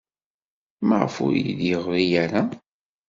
Maɣef ur iyi-d-yeɣri ara?